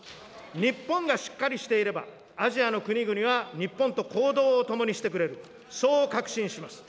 日本がしっかりしていれば、アジアの国々は、日本と行動を共にしてくれる、そう確信します。